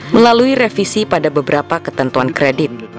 melalui revisi pada beberapa ketentuan kredit